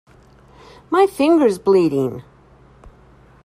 My finger’s bleeding!